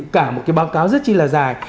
cả một cái báo cáo rất chi là dài